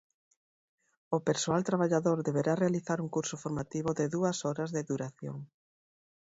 O persoal traballador deberá realizar un curso formativo de dúas horas de duración.